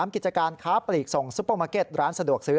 กิจการค้าปลีกส่งซุปเปอร์มาร์เก็ตร้านสะดวกซื้อ